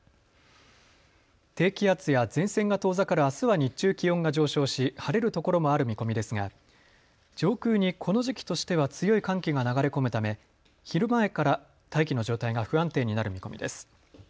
低気圧や前線が遠ざかるあすは日中気温が上昇し晴れる所もある見込みですが上空にこの時期としては強い寒気が流れ込むため昼前から大気の状態が不安定になる見込みです。